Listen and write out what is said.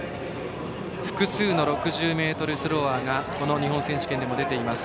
複数の６０ｍスローワーがこの日本選手権でも出ています。